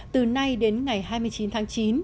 từ nay đến ngày hai mươi chín tháng chín